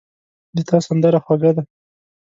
د تا سندره خوږه ده